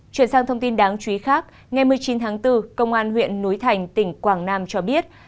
chuyển sang thông tin đáng chú ý khác ngày một mươi chín tháng bốn công an huyện núi thành tỉnh quảng nam cho biết